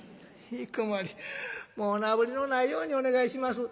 もうおなぶりのないようにお願いします。